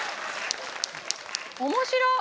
面白っ！